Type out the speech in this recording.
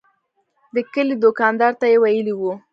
د کلي دوکاندار ته یې ویلي و.